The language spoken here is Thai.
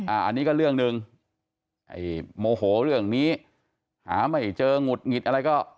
อันนี้ก็เรื่องหนึ่งไอ้โมโหเรื่องนี้หาไม่เจอหงุดหงิดอะไรก็